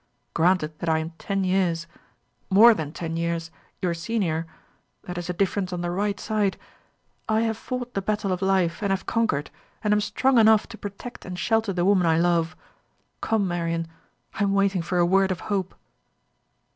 Granted that I am ten years more than ten years your senior, that is a difference on the right side. I have fought the battle of life, and have conquered, and am strong enough to protect and shelter the woman I love. Come, Marian, I am waiting for a word of hope."